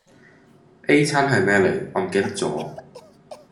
A 餐係咩嚟我唔記得咗